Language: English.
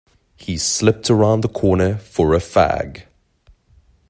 He slipped around the corner for a fag.